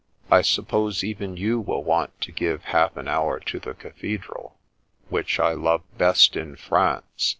" I suppose even you will want to give half an hour to the cathedral which I love best in France